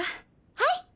はい。